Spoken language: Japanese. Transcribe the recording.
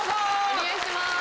お願いします。